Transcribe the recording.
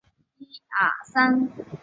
白描画法以墨线描绘物体而不着颜色。